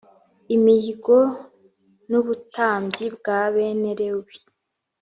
Imihago n ubutambyi bwa bene lewi